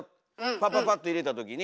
パパパッと入れたときに。